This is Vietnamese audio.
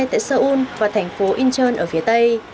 tại seoul và thành phố incheon ở phía tây